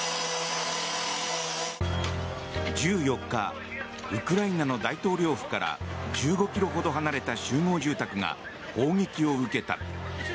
１４日ウクライナの大統領府から１５ｋｍほど離れた集合住宅が砲撃を受けた。